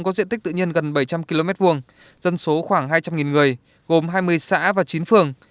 có diện tích tự nhiên gần bảy trăm linh km hai dân số khoảng hai trăm linh người gồm hai mươi xã và chín phường